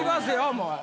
もう。